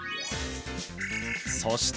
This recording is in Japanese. そして